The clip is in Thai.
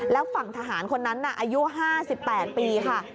แล้วฝั่งทหารคนนั้นน่ะอายุ๕๘ปีค่ะ